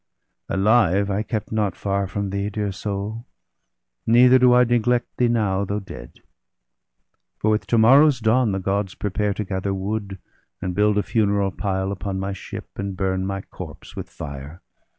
Alive I kept not far from thee, dear soul! Neither do I neglect thee now, though dead. For with to morrow's dawn the Gods prepare To gather wood, and build a funeral pile Upon my ship, and burn my corpse with fire.